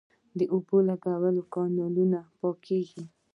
د اوبو لګولو کانالونه پاکیږي